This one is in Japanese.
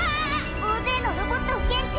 大勢のロボットを検知！